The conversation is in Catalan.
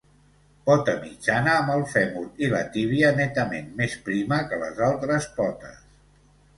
Pota mitjana amb el fèmur i la tíbia netament més prima que les altres potes.